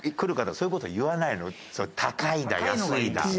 そういう事言わないの高いだ安いだ。